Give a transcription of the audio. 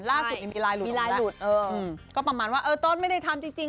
ล่าสุดนี้มีลายหลุดมีลายหลุดเอออืมก็ประมาณว่าเออโต๊ดไม่ได้ทำจริงจริง